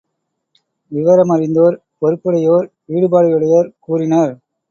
விவர மறிந்தோர், பொறுப்புடையோர், ஈடுபாடுடையோர் கூறினர்.